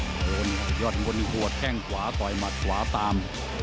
โดนยอดผลหัวเข้าเข้ากันขวาต่อยหมัดขวาตาม